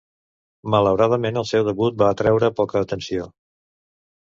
Malauradament el seu debut va atreure poca atenció.